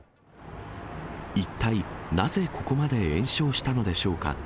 一体なぜここまで延焼したのでしょうか。